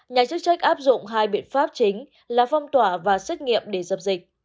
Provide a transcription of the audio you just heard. nhà chức trách áp dụng hai biện pháp chính là phong tỏa và xét nghiệm để dập dịch